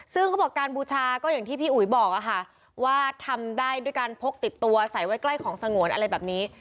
ซึ่งเขาบอกการบูชาก็อย่างที่พี่อุ๋ยบอกอะค่ะว่าทำได้ด้วยการพกติดตัวใส่ไว้ใกล้ของสงวนอะไรแบบนี้